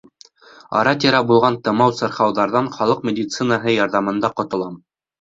Ара-тирә булған тымау-сырхауҙарҙан халыҡ медицинаһы ярҙамында ҡотолам.